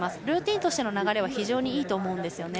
ルーティンとしての流れはいいと思います。